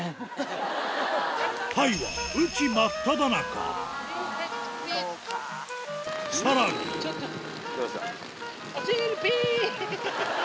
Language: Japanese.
タイは雨季真っただ中どうした？